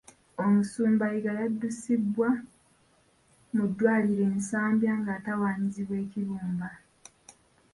Omusumba Yiga yaddusibwa mu ddwaliro e Nsambya ng'atawaanyizibwa ekibumba.